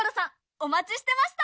お待ちしてました。